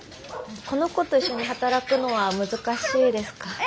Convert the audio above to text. この子と一緒に働くのは難しいですか？